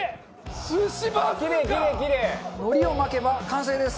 海苔を巻けば完成です。